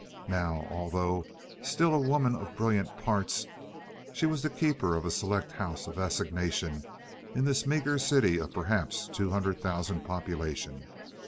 Now, although still a woman of brilliant parts, she was the keeper of a select house of assignation in this meager city of perhaps two hundred thousand population.